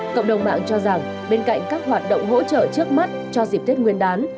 cộng đồng mạng cho rằng bên cạnh các hoạt động hỗ trợ trước mắt cho dịp tết nguyên đán